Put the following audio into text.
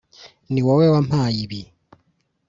niwowe wampaye ibi.